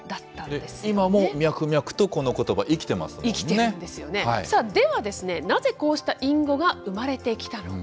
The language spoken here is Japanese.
では、なぜこうした隠語が生まれてきたのか。